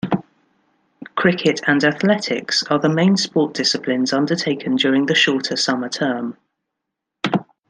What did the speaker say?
Cricket and athletics are the main sports disciplines undertaken during the shorter Summer term.